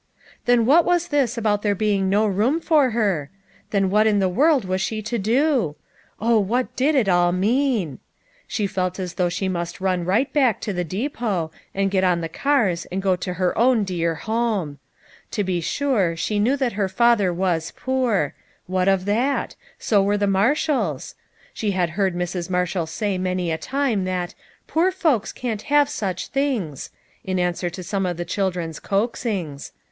Then what was this about there being no room for her ? Then what in the world was she to do? Oh, what did it all mean ! She felt as though she must run right back to the depot, and get on the cars and go to her own dear home. To be sure she knew that her father was poor ; what of that ? so were the Marshalls ; she had heard Mrs. Marshall say many a time 'that "poor folks can't have such things," in answer to some of BEGINNING HER LIFE. 31 the children's coaxings.